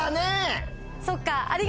そっか。